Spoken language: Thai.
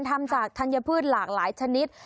ทำจากธัญพืชหลากหลายชนิด